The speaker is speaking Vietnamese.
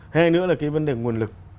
hai nữa là vấn đề nguồn lực